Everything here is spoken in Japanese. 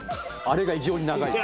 あれが異常に長い。